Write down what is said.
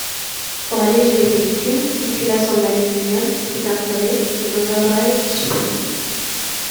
Pour alléger le véhicule, une culasse en aluminium fut installée et l'overdrive supprimé.